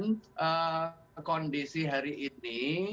dengan kondisi hari ini